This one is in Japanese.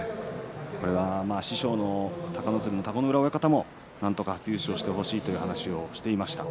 これは師匠の田子ノ浦親方も優勝してほしいという話をしていました。